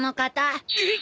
えっ！？